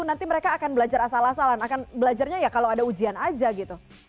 nanti mereka akan belajar asal asalan akan belajarnya ya kalau ada ujian aja gitu